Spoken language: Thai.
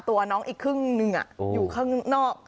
ตัวน้องอีกครึ่งหนึ่งอยู่ข้างนอก